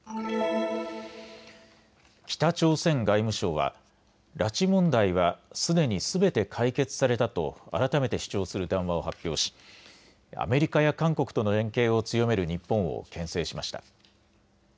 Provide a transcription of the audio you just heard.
北朝鮮外務省は拉致問題はすでにすべて解決されたと改めて主張する談話を発表しアメリカや韓国との連携を強める日本をけん制しました。